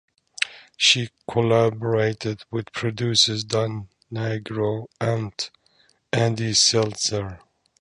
She collaborated with producers Dan Nigro and Andy Seltzer.